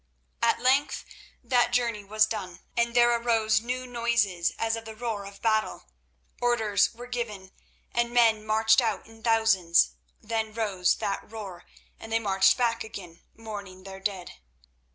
At length that journey was done, and there arose new noises as of the roar of battle. Orders were given and men marched out in thousands; then rose that roar, and they marched back again, mourning their dead.